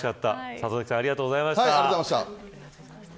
里崎さんありがとうございました。